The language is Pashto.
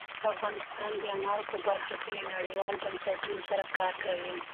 افغانستان د انارو په برخه کې له نړیوالو بنسټونو سره کار کوي.